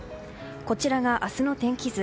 こちらが明日の天気図。